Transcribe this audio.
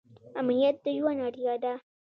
امنیت د ژوند اړتیا ده